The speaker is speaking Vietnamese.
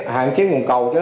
hạn chế nguồn cầu